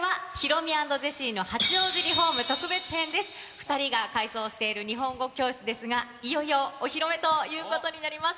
２人が改装している日本語教室ですが、いよいよお披露目ということになります。